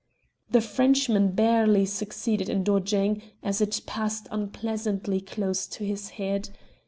The Frenchman barely succeeded in dodging, as it passed unpleasantly close to his head.